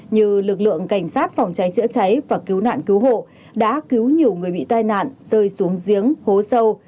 như lực lượng cảnh sát phòng cháy chữa cháy và cứu nạn cứu hộ đã cứu nhiều người bị tai nạn rơi xuống giếng hố sâu